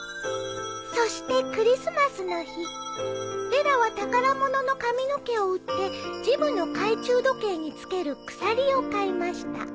「そしてクリスマスの日デラは宝物の髪の毛を売ってジムの懐中時計に付ける鎖を買いました」